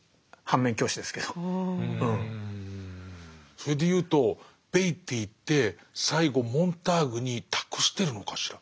それでいうとベイティーって最後モンターグに託してるのかしら。